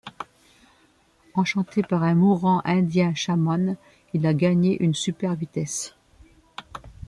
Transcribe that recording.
Enchanté par un mourant indien chaman, il a gagné une super-vitesse.